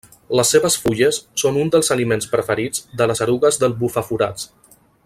Les seves fulles són un dels aliments preferits de les erugues del bufaforats.